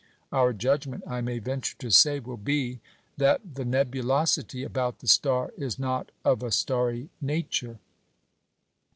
Our judgment, I may venture to say, will be, that the nebulosity about the star is not of a starry nature."